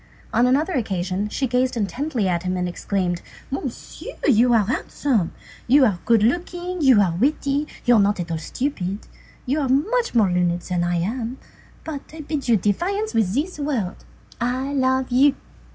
On another occasion she gazed intently at him and exclaimed:— "Monsieur, you are handsome, you are good looking, you are witty, you are not at all stupid, you are much more learned than I am, but I bid you defiance with this word: I love you!"